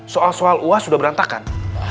soal soal uah sudah berantakan